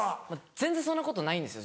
全然そんなことないんですよ